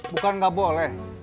bukan gak boleh